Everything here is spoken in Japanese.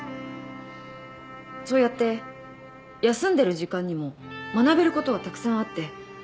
そうやって休んでる時間にも学べることはたくさんあって。